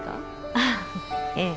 ああええ